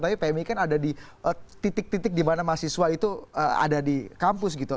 tapi pmi kan ada di titik titik di mana mahasiswa itu ada di kampus gitu